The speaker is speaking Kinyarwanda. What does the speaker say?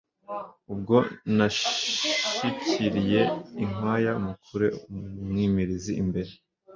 Ubwo nashyikiliye inkwaya mukure umwimilizi imbere,